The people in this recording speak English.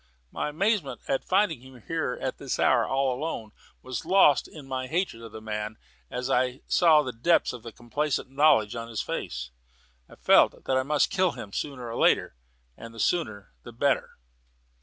My amazement at finding him here at this hour, and alone, was lost in my hatred of the man as I saw the depths of complacent knowledge in his face. I felt that I must kill him sooner or later, and the sooner the better.